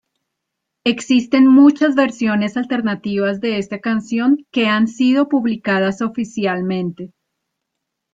Existen muchas versiones alternativas de esta canción que han sido publicadas oficialmente.